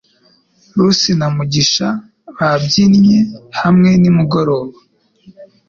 Rusi na Mugisha babyinnye hamwe nimugoroba